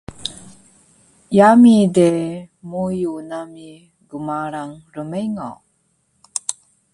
Yami de muyu nami gmarang rmengo